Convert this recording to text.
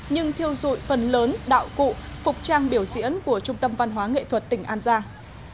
nhưng thiêu dụi phần lớn đạo cụ phục trang biểu diễn của trung tâm văn hóa nghệ thuật tỉnh an giang